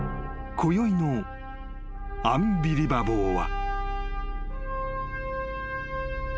［こよいの『アンビリバボー』は］